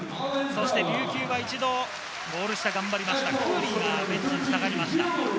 そして琉球は一度ゴール下、頑張りましたクーリーがベンチに下がりました。